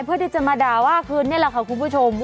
เพื่อที่จะมาด่าว่าคืนนี่แหละค่ะคุณผู้ชม